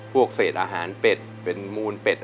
พวกเศษอาหารเป็ดเป็นมูลเป็ด